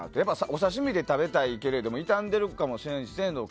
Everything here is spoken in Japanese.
お刺し身で食べたいけれども傷んでるかもしれない鮮度も。